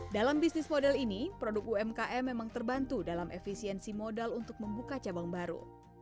dalam bisnis model ini produk umkm memang terbantu dalam efisiensi modal untuk membuka cabang baru